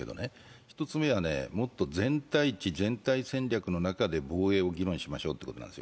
１つ目はもっと全体知、全体戦略の中で防衛を議論しましょうということなんです。